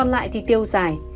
lại thì tiêu giải